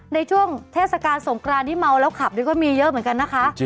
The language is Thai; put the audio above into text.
ในช่วงเทศกาลสงกรานที่เมาแล้วขับนี่ก็มีเยอะเหมือนกันนะคะ